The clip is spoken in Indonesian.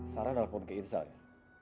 sarah dalem panggil irjal ya